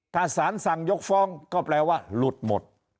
ทัศนสั่งยกฟองก็แปลว่าหลุดหมด